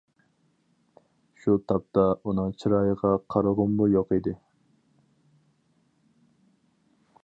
شۇ تاپتا ئۇنىڭ چىرايىغا قارىغۇممۇ يوق ئىدى.